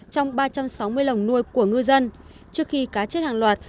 trong ba trăm sáu mươi lồng nuôi của ngư dân trước khi cá chết hàng loạt